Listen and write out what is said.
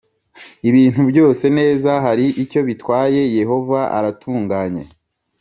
ibintu byose neza hari icyo bitwaYehova aratunganye